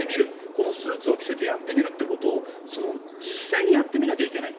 このスーツを着せてやってみることを実際にやってみなきゃいけない。